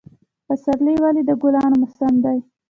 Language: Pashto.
پسرلی ولې د ګلانو موسم دی؟